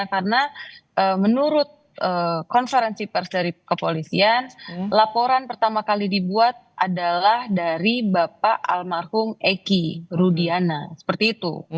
karena menurut konferensi pers dari kepolisian laporan pertama kali dibuat adalah dari bapak almarhum eki rudiana seperti itu